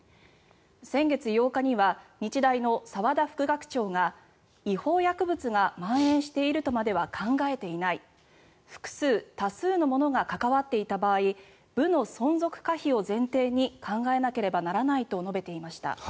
先月８日には日大の澤田副学長が違法薬物がまん延しているとまでは考えていない複数・多数の者が関わっていた場合部の存続可否を前提に考えなければならないと述べていました。